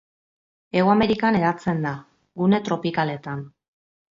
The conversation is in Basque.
Hego Amerikan hedatzen da, gune tropikaletan.